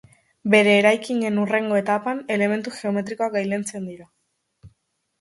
Bere eraikinen hurrengo etapan elementu geometrikoak gailentzen dira.